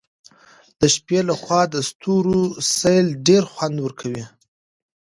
د شپې له خوا د ستورو سیل ډېر خوند ورکوي.